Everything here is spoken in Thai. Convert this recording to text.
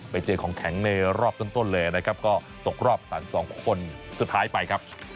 ไปเจอของแข็งในรอบต้นเลยนะครับก็ตกรอบ๓๒คนสุดท้ายไปครับ